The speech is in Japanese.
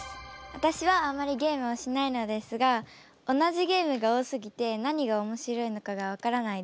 私はあまりゲームをしないのですが同じゲームが多すぎて何が面白いのかが分からないです。